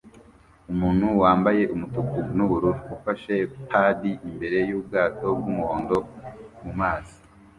Umuntu wambaye umutuku nubururu ufashe padi imbere yubwato bwumuhondo mumazi